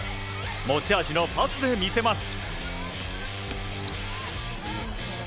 持ち味のパスで見せます。